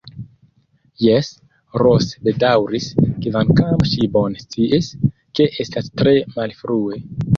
Jes, Ros bedaŭris, kvankam ŝi bone sciis, ke estas tre malfrue.